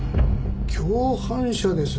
共犯者ですね。